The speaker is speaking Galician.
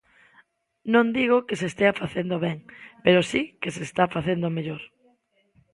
Non digo que se estea facendo ben pero si que se está facendo mellor.